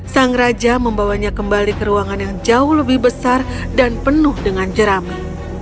sang raja membawanya kembali ke ruangan yang jauh lebih besar dan penuh dengan jerami